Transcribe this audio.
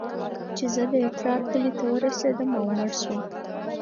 چې زه د اترار کلي ته ورسېدم او مړ سوم.